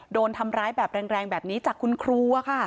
โดนทำร้ายแบบแรงแบบนี้จากคุณครูค่ะ